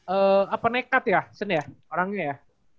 eee apa nekat ya ced ya orangnya ya